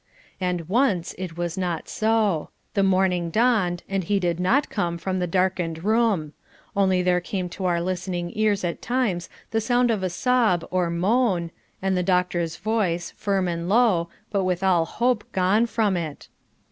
And once it was not so. The morning dawned and he did not come from the darkened room: only there came to our listening ears at times the sound of a sob or moan, and the doctor's voice, firm and low, but with all hope gone from it.